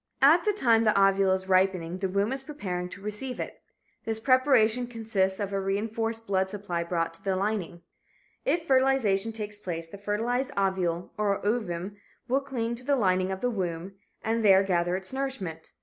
At the time the ovule is ripening, the womb is preparing to receive it. This preparation consists of a reinforced blood supply brought to its lining. If fertilization takes place, the fertilized ovule or ovum will cling to the lining of the womb and there gather its nourishment.